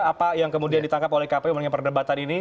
apa yang kemudian ditangkap oleh kpu mengenai perdebatan ini